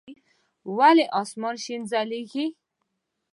ولي اسمان شين ځليږي؟